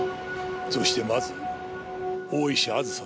そしてまず大石あずささんだ。